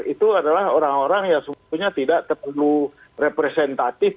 itu adalah orang orang yang sebetulnya tidak terlalu representatif